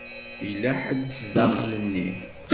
Yella ḥedd zdaxel-nni.